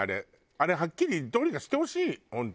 あれはっきりどうにかしてほしい本当。